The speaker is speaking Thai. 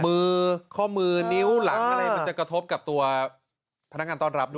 มือข้อมือนิ้วหลังอะไรมันจะกระทบกับตัวพนักงานต้อนรับด้วย